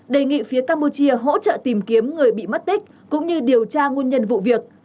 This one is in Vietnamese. đề nghị phía campuchia hỗ trợ tìm kiếm người bị mất tích cũng như điều tra nguyên nhân vụ việc